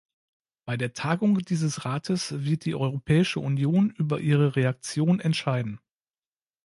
Bei der Tagung dieses Rates wird die Europäische Union über ihre Reaktion entscheiden.